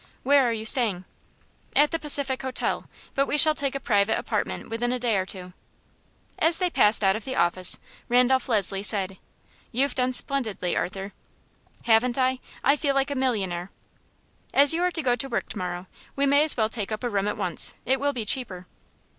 Where are you staying?" "At the Pacific Hotel; but we shall take a private apartment within a day or two." As they passed out of the office, Randolph Leslie said: "You've done splendidly, Arthur." "Haven't I? I feel like a millionaire." "As you are to go to work to morrow, we may as well take up a room at once. It will be cheaper."